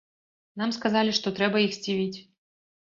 Нам сказалі, што трэба іх здзівіць.